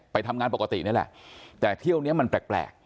ไปทำงานปกตินี่แหละแต่เที่ยวนี้มันแปลก